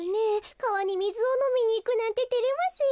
かわにみずをのみにいくなんててれますよ。